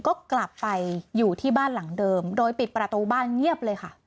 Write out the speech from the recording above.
ก็กลับไปอยู่ที่บ้านหลังเดิมโดยปิดประตูบ้านเงียบเลยค่ะ